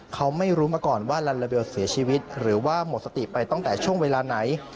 เขาไม่รู้มาก่อนว่าลัลลาเบลเสียชีวิตหรือว่าหมดสติไปตั้งแต่ช่วงเวลาไหน